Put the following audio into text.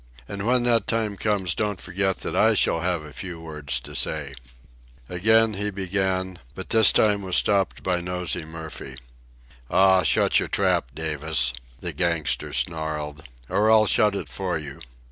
And when that time comes don't forget that I shall have a few words to say." Again he began, but this time was stopped by Nosey Murphy. "Aw, shut your trap, Davis," the gangster snarled, "or I'll shut it for you."